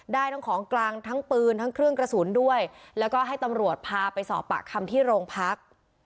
ได้ทั้งของกลางทั้งปืนทั้งเครื่องกระสุนด้วยแล้วก็ให้ตำรวจพาไปสอบปากคำที่โรงพัก